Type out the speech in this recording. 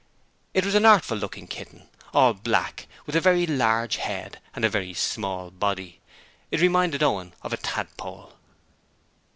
It was an artful looking kitten, all black, with a very large head and a very small body. It reminded Owen of a tadpole.